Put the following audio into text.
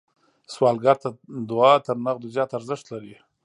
سوالګر ته دعا تر نغدو زیات ارزښت لري